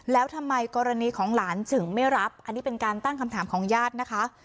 แล้วทำไมกรณีของหลานถึงไม่รับอันนี้เป็นการตั้งคำถามของญาตินะคะ